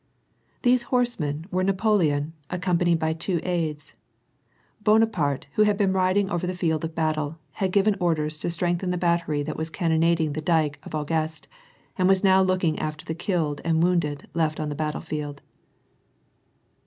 These horsemen were Napoleon, accompanied by two aideflu Bonaparte, who had been riding over the field of battle, hai given orders to strengthen the battery that was cannonadi&fl the dyke of Augest, and was now looking after the killed aiil wounded left on the battlefield.